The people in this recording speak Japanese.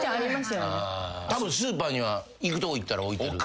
たぶんスーパーには行くとこ行ったら置いてる。